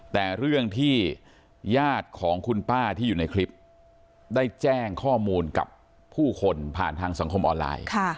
แต่เรื่องที่ญาติของคุณป้าที่อยู่ในคลิปได้แจ้งข้อมูลกับผู้คนผ่านทางสังคมออนไลน์